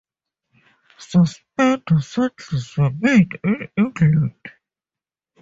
Suspender saddles were made in England.